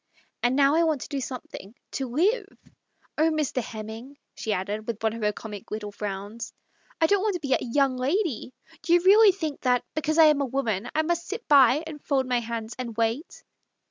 And now I want to do some thing, to live. Oh, Mr. Hemming," she added, with one of her comic little frowns, " I don't want to be a ' young lady '! Do you really think that because I am a woman that I must sit by and fold my hands and wait